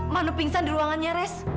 manu pingsan di ruangannya res